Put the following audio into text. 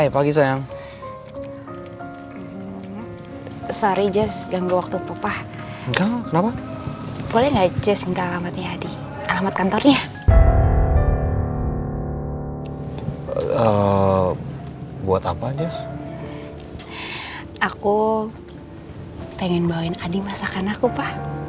pengen bawain adi masakan aku pa